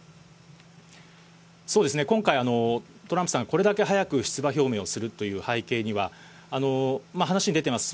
そうですね、今回、トランプさん、これだけ早く出馬表明をするという背景には、話に出てます、